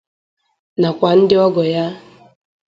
nakwa ndị ọgọ ya.